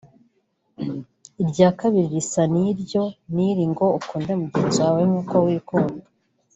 irya kabiri risa n’iryo ni iri ngo “Ukunde mugenzi wawe nk’uko wikunda